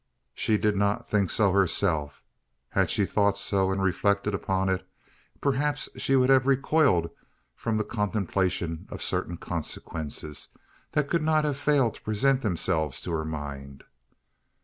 She did not think so herself. Had she thought so, and reflected upon it, perhaps she would have recoiled from the contemplation of certain consequences, that could not have failed to present themselves to her mind.